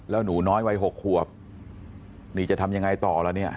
แล้วหนูน้อยวัย๖ขวบนี่จะทำยังไงต่อล่ะเนี่ย